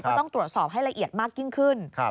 ก็ต้องตรวจสอบให้ละเอียดมากยิ่งขึ้น